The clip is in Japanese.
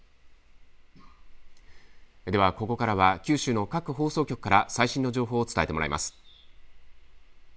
では、ここからは九州の各放送局から最新の情報を伝えてもらいます。